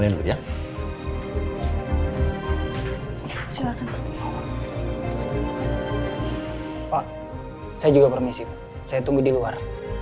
silakan pak saya juga permisi saya tunggu di luar